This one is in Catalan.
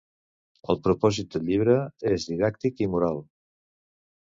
El propòsit del llibre és didàctic i moral.